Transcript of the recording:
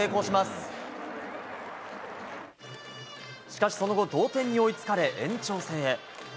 しかしその後、同点に追いつかれ延長戦へ。